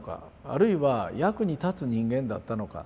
あるいは役に立つ人間だったのか？